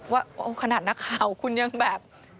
ว่าขนาดนักข่าวคุณยังแบบ